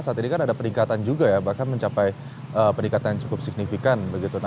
saat ini kan ada peningkatan juga ya bahkan mencapai peningkatan yang cukup signifikan